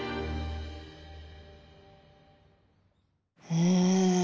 うん。